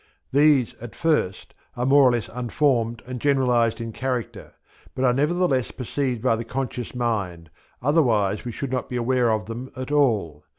These at first are more or less unformed and generalized in character, but are nevertheless perceived by the conscious mind, otherwise we should not be aware of them at all.